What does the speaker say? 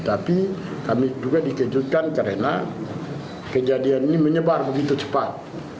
tapi kami juga dikejutkan karena kejadian ini menyebar begitu cepat